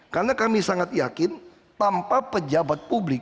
karena kami sangat yakin tanpa pejabat publik